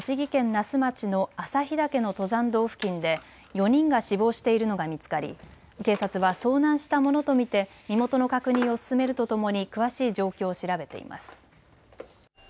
那須町の朝日岳の登山道付近で４人が死亡しているのが見つかり警察は遭難したものと見て身元の確認を進めるとともに詳しい状況を調べています。